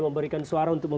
memberikan suara untuk negara